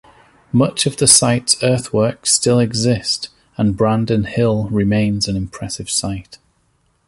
Much of the site's earthworks still exist and Brandon Hill remains an impressive sight.